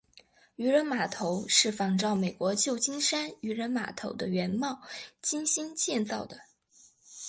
渔人码头是仿照美国旧金山渔人码头的原貌精心建造的。